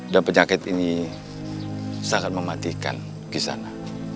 dan penyakit ini sangat mematikan ki sana